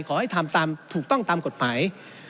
ขอให้ทำตามถูกต้องตามกฎหมาย